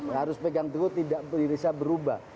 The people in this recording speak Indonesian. harus pegang teguh tidak bisa berubah